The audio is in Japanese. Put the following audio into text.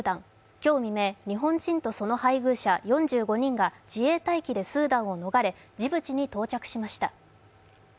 今日未明、日本人とその配偶者４５人が自衛隊機でスーダンを逃れジブチに到着しました。